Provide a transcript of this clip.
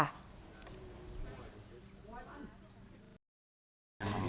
อันนี้ค่ะ